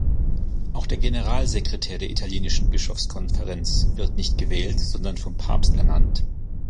Auch der Generalsekretär der Italienischen Bischofskonferenz wird nicht gewählt, sondern vom Papst ernannt.